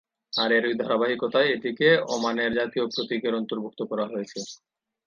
আর এরই ধারাবাহিকতায় এটিকে ওমানের জাতীয় প্রতীকের অন্তর্ভুক্ত করা হয়েছে।